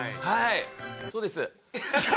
はい。